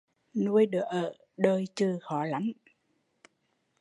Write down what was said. Nuôi đứa ở đời chừ khó lắm